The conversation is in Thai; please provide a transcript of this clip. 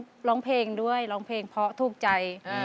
เค้าร้องเพลงด้วยร้องเพลงเพราะทุกข์ใจ